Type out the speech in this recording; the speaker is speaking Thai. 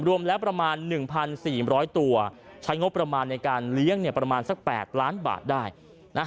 รวมแล้วประมาณ๑๔๐๐ตัวใช้งบประมาณในการเลี้ยงเนี่ยประมาณสัก๘ล้านบาทได้นะ